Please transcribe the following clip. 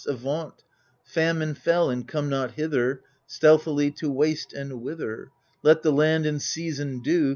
Avaunt, Famine fell, and come not hither Stealthily to waste and wither 1 Let the land, in season due.